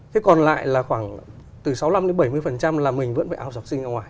thế còn lại là khoảng từ sáu mươi năm đến bảy mươi là mình vẫn phải áo sọc sinh ra ngoài